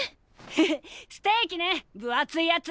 ヘヘッステーキね分厚いやつ！